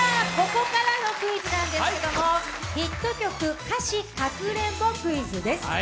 ここからのクイズなんですけどヒット曲、歌詞かくれんぼクイズです。